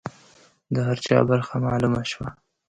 د هر چا برخه معلومه شوه.